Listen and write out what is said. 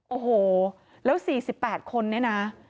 โอ้โหแล้ว๔๘คนเนี่ยนะ